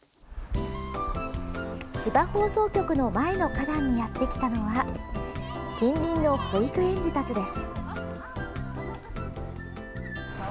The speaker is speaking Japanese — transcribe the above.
千葉放送局の前の花壇にやってきたのは近隣の保育園児たちです。